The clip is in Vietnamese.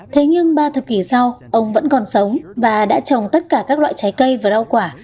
thế nhưng ba thập kỷ sau ông vẫn còn sống và đã trồng tất cả các loại trái cây và rau quả